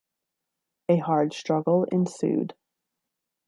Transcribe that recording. A hard struggle ensued.